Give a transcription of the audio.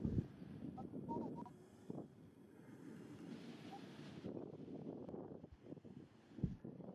Kod dwaro mar dwoko piny kenya ekuma yande entiere ekinde ma okalo